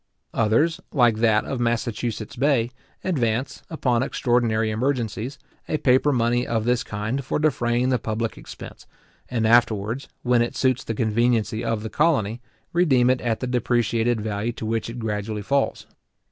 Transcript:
Others, like that of Massachusetts Bay, advance, upon extraordinary emergencies, a paper money of this kind for defraying the public expense; and afterwards, when it suits the conveniency of the colony, redeem it at the depreciated value to which it gradually falls.